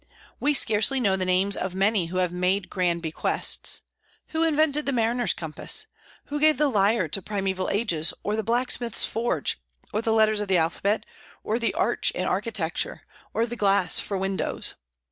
We scarcely know the names of many who have made grand bequests. Who invented the mariner's compass? Who gave the lyre to primeval ages, or the blacksmith's forge, or the letters of the alphabet, or the arch in architecture, or glass for windows?